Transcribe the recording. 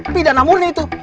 pidana murni itu